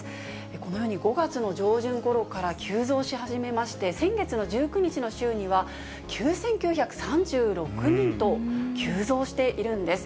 このように５月の上旬ごろから急増し始めまして、先月の１９日の週には、９９３６人と急増しているんです。